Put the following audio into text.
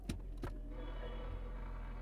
হেই, আমি সামলাচ্ছি, manager Sam.